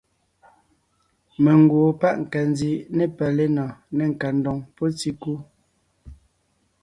Mengwoon páʼ nkandi ne palénɔɔn, ne nkandoŋ pɔ́ tíkú.